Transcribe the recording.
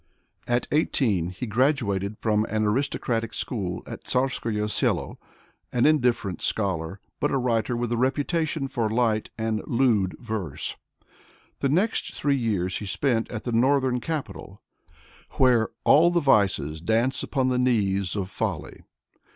At eighteen he graduated from an aristocratic school at Tsarskoe Selo, an indifferent scholar, but a writer with a reputation for light and lewd verse. The next three years he spent at the northern capital, where " all the vices dance upon the knees of folly."